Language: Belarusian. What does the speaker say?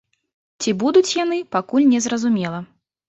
Ці будуць яны, пакуль незразумела.